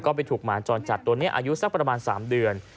ก็ไปถูกหมาจรจัดตัวนี้อายุสักประมาณ๓เดือน